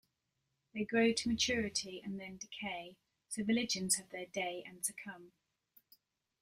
They grow to maturity and then decay; so religions have their day and succumb.